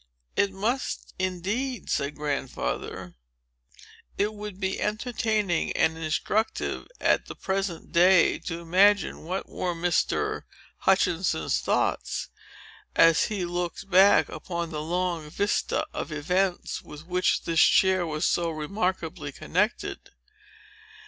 "It must, indeed," said Grandfather. "It would be entertaining and instructive, at the present day, to imagine what were Mr. Hutchinson's thoughts, as he looked back upon the long vista of events with which this chair was so remarkably connected."